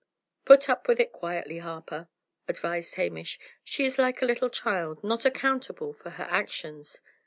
"Put up with it quietly, Harper," advised Hamish. "She is like a little child, not accountable for her actions."